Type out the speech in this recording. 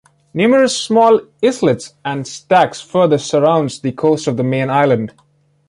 Numerous small islets and stacks further surround the coast of the main island.